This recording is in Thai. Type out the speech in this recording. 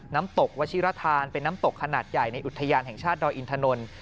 น้ำตกวชิรธานเป็นน้ำตกขนาดใหญ่ในอุทยานแห่งชาติดอยอินทนนท์